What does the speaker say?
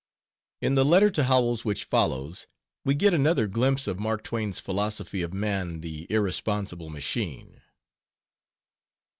In the letter to Howells which follows we get another glimpse of Mark Twain's philosophy of man, the irresponsible machine.